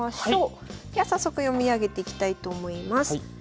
では早速読み上げていきたいと思います。